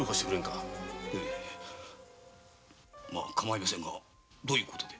かまいませんがどういう事で？